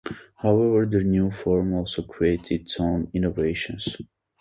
However, the new form also creates its own innovations.